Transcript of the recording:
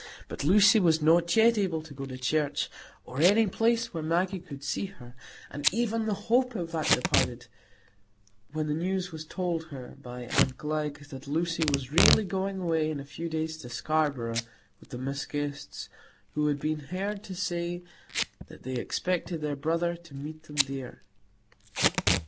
But Lucy was not yet able to go to church, or any place where Maggie could see her; and even the hope of that departed, when the news was told her by aunt Glegg, that Lucy was really going away in a few days to Scarborough with the Miss Guests, who had been heard to say that they expected their brother to meet them there.